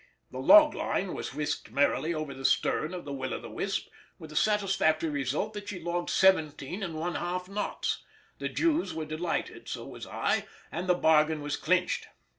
The log line was whisked merrily over the stern of the Will o' the Wisp, with the satisfactory result that she logged 17 1/2 knots. The Jews were delighted, so was I; and the bargain was clinched.